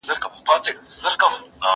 زه به د هنرونو تمرين کړی وي!؟